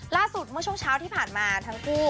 เมื่อช่วงเช้าที่ผ่านมาทั้งคู่